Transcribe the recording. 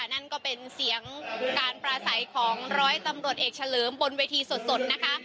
นั่นก็เป็นเสียงการปลาใสของร้อยตำรวจเอกเฉลิมบนเวทีสดนะคะ